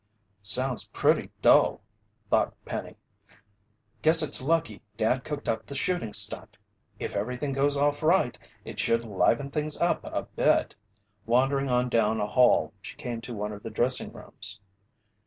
"Sounds pretty dull," thought Penny. "Guess it's lucky Dad cooked up the shooting stunt. If everything goes off right, it should liven things up a bit." Wandering on down a hall, she came to one of the dressing rooms.